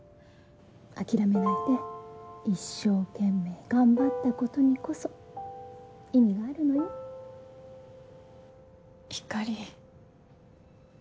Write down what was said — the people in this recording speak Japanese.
諦めないで一生懸命頑張ったことにこそ意味があひかり。